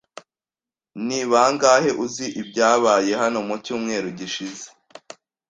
Ni bangahe uzi ibyabaye hano mu cyumweru gishize?